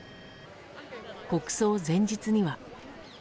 国葬前日には。